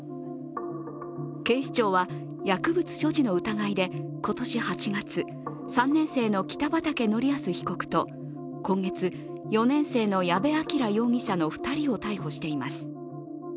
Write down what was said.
警視庁は薬物所持の疑いで今年８月３年生の北畠成文被告と今月、４年生の矢部鑑羅容疑者の２人を逮捕しています。